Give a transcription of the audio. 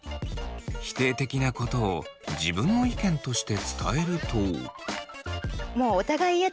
否定的なことを自分の意見として伝えると。